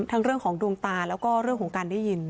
เรื่องของดวงตาแล้วก็เรื่องของการได้ยิน